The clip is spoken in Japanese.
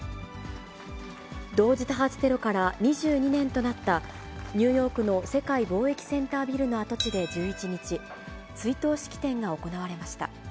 同時多発テロから２２年となったニューヨークの世界貿易センタービルの跡地で１１日、追悼式典が行われました。